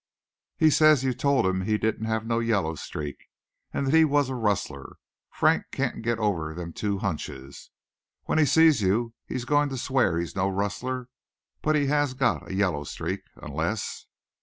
"He says you told him he didn't have no yellow streak an' that he was a rustler. Frank can't git over them two hunches. When he sees you he's goin' to swear he's no rustler, but he has got a yellow streak, unless..."